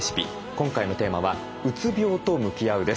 今回のテーマは「うつ病と向きあう」です。